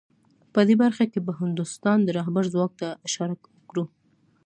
په دې برخه کې به د هندوستان د رهبر ځواک ته اشاره وکړو